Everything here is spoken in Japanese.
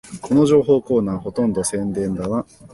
この情報コーナー、ほとんど宣伝だな